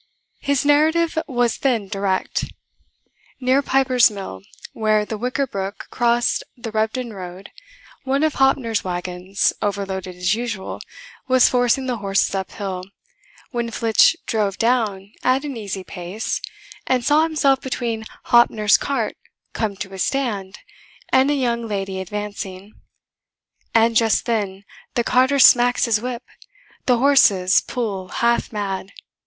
His narrative was then direct. Near Piper's mill, where the Wicker brook crossed the Rebdon road, one of Hoppner's wagons, overloaded as usual, was forcing the horses uphill, when Flitch drove down at an easy pace, and saw himself between Hoppner's cart come to a stand and a young lady advancing: and just then the carter smacks his whip, the horses pull half mad.